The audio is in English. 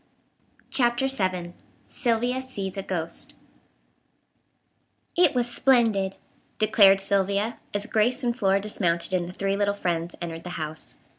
CHAPTER VII SYLVIA SEES A GHOST "It was splendid," declared Sylvia as Grace and Flora dismounted and the three little friends entered the house.